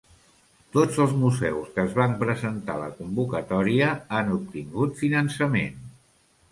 Tots els museus que es van presentar a la convocatòria han obtingut finançament.